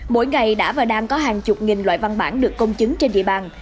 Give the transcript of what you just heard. mỗi ngày đã và đang có hàng chục nghìn loại văn bản được công chứng trên địa bàn